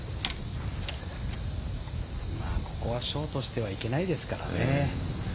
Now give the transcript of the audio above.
ここはショートしてはいけないですからね。